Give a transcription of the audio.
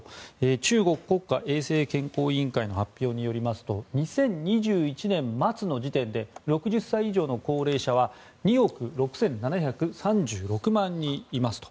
中国国家衛生健康委員会の発表によりますと２０２１年末の時点で６０歳以上の高齢者は２億６７３６万人いますと。